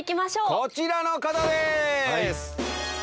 こちらの方です！